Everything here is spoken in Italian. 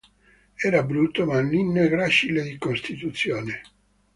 Era brutto, maligno e gracile di costituzione.